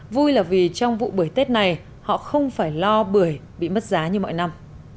vui là vì trong vụ bưởi tết này họ không phải lo bưởi bị mất giá như mọi năm